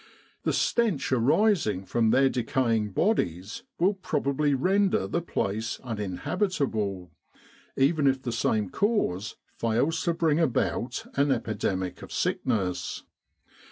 The stench arising from their decaying bodies will probably render the place unin habitable, even if the same cause fails to bring about an epidemic of sickness.